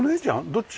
どっち？